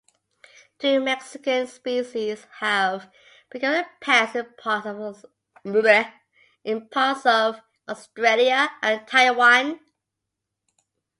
Two Mexican species have become a pest in parts of Australia and Taiwan.